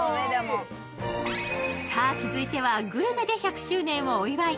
続いてはグルメで１００周年をお祝い。